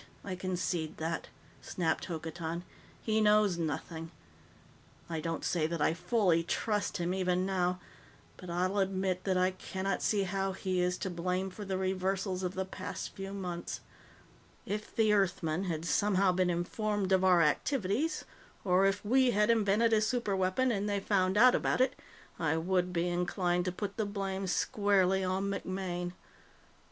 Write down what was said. I concede that," snapped Hokotan. "He knows nothing. I don't say that I fully trust him, even now, but I'll admit that I cannot see how he is to blame for the reversals of the past few months. "If the Earthmen had somehow been informed of our activities, or if we had invented a superweapon and they found out about it, I would be inclined to put the blame squarely on MacMaine.